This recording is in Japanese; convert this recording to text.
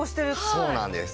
そうなんです。